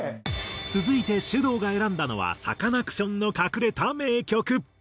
続いてｓｙｕｄｏｕが選んだのはサカナクションの隠れた名曲。